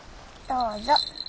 どうぞ。